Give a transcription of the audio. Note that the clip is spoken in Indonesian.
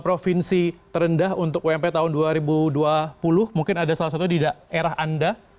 provinsi terendah untuk ump tahun dua ribu dua puluh mungkin ada salah satunya di daerah anda